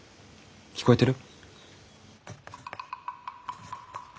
聞こえてる？